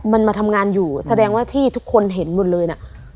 มันมาทำงานอยู่แสดงว่าที่ทุกคนเห็นหมดเลยน่ะ